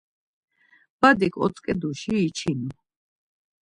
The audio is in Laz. Badik otzǩeduis içinu.